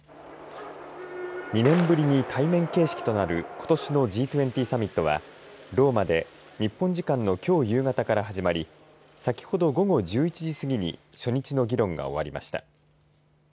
２年ぶりに対面形式となることしのＧ２０サミットはローマで日本時間のきょう、夕方から始まり先ほど午後１１時過ぎに初日の議論が終わりました。